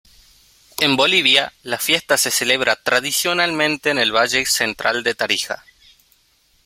En Bolivia, la fiesta se celebra tradicionalmente en el valle central de Tarija.